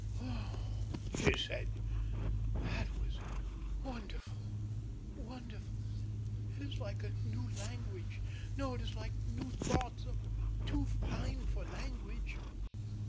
"Oh," she said, "that was wonderful, wonderful. It is like a new language no, it is like new thoughts, too fine for language."